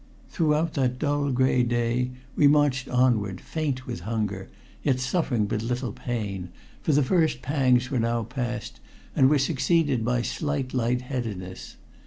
Throughout that dull gray day we marched onward, faint with hunger, yet suffering but little pain, for the first pangs were now past, and were succeeded by slight light headedness.